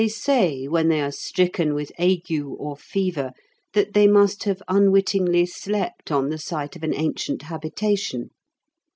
They say when they are stricken with ague or fever, that they must have unwittingly slept on the site of an ancient habitation.